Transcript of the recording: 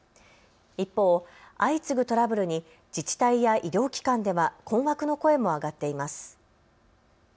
一方、相次ぐトラブルに自治体や医療機関では困惑の声も上がっています。